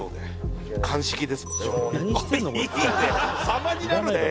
様になるね